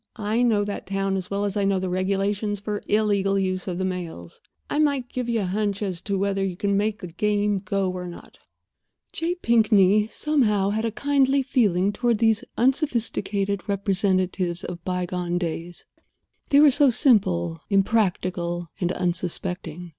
I know that town as well as I know the regulations for illegal use of the mails. I might give you a hunch as to whether you can make the game go or not." J. Pinkney, somehow, had a kindly feeling toward these unsophisticated representatives of by gone days. They were so simple, impractical, and unsuspecting.